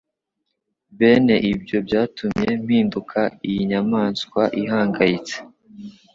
bene ibyo byatumye mpinduka iyi nyamaswa ihangayitse